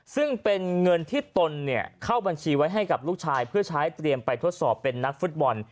ซึ่งเป็นเงินที่ตนเข้าบัญชีไว้ให้กับลูกชายเพื่อใช้เตรียมไปทดสอบเป็นนักฟุตบอล